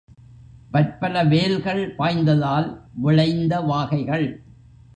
பற்பல வேல்கள் பாய்ந்ததால் விளைந்த வாகைகள்!